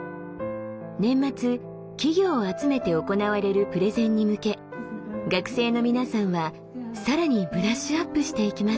年末企業を集めて行われるプレゼンに向け学生の皆さんは更にブラッシュアップしていきます。